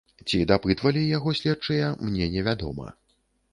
Ці дапытвалі яго следчыя, мне не вядома.